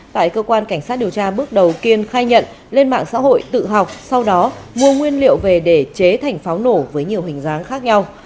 tại cơ quan cảnh sát điều tra bước đầu kiên khai nhận lên mạng xã hội tự học sau đó mua nguyên liệu về để chế thành pháo nổ với nhiều hình dáng khác nhau